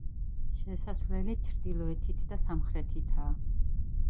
შესასვლელი ჩრდილოეთით და სამხრეთითაა.